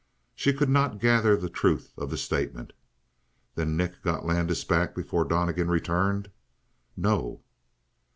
She could not gather the truth of the statement. "Then Nick got Landis back before Donnegan returned?" "No."